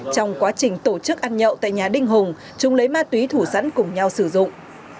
trong quá trình tổ chức ăn nhậu tại nhà đinh hùng chúng lấy ma túy thủ sẵn cùng nhau sử dụng